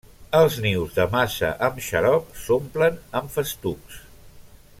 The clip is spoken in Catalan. Els nius de massa amb xarop s'omplen amb festucs.